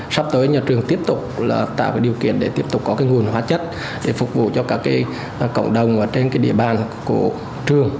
sắp tới nhà trường tiếp tục là tạo điều kiện để tiếp tục có nguồn hóa chất để phục vụ cho các cộng đồng trên địa bàn của trường